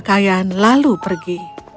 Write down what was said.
dia berpakaian lalu pergi